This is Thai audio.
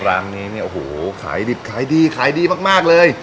รางนี้เนี่ยโอ้โหขายดีขายดีมากเลย